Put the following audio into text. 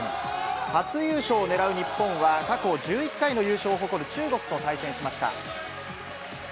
初優勝を狙う日本は、過去１１回の優勝を誇る中国と対戦しました。